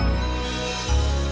mau mikir apa soal papa